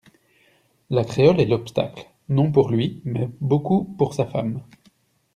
La créole est l'obstacle, non pour lui, mais beaucoup pour sa femme.